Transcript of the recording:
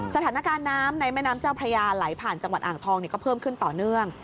สถานการณ์น้ำในแม่น้ำเจ้าพระยาไหลผ่านจังหวัดอ่างทองก็เพิ่มขึ้นต่อเนื่อง